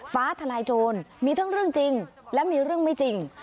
ฟ้าทลายโจรมีทั้งเรื่องจริงและมีเรื่องไม่จริง